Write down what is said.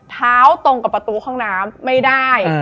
ตรงกับประตูห้องน้ำไม่ได้